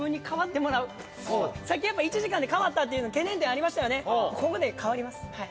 さっきやっぱ１時間で変わったっていうの懸念点ありましたよね。